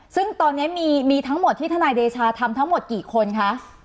ซึ่งตอนนี้มีทั้งหมดที่ทนายเดชาทำทั้งหมดกี่คนคะ